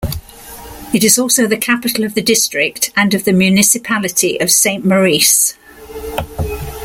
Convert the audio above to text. It is also the capital of the district and of the municipality of Saint-Maurice.